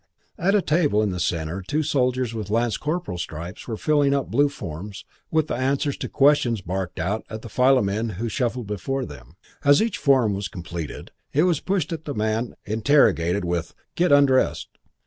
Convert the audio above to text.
At a table in the centre two soldiers with lance corporal's stripes were filling up blue forms with the answers to questions barked out at the file of men who shuffled before them. As each form was completed, it was pushed at the man interrogated with "Get undressed."